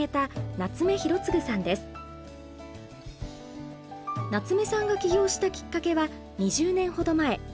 夏目さんが起業したきっかけは２０年ほど前。